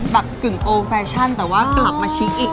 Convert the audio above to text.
แบบกึ่งโอไฟชั่นแต่ว่ากลับมาชี้อิ่ง